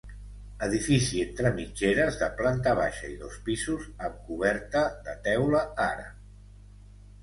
Edifici entre mitgeres de planta baixa i dos pisos amb coberta de teula àrab.